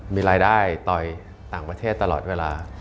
มีรายได้ต่อยต่างประเทศตลอดเวลา